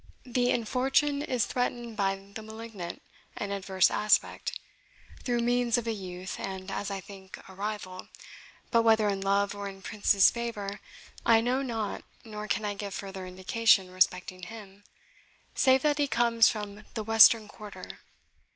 The infortune is threatened by the malignant and adverse aspect, through means of a youth, and, as I think, a rival; but whether in love or in prince's favour, I know not nor can I give further indication respecting him, save that he comes from the western quarter."